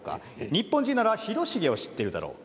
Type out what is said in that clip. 日本人ならヒロシゲを知っているだろう。